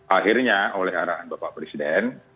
akhirnya oleh arahan bapak presiden